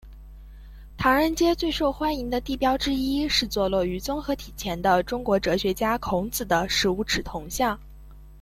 唐人街最受欢迎的地标之一是坐落于综合体前的中国哲学家孔子的十五尺铜像。